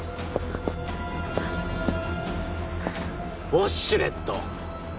ウォシュレット！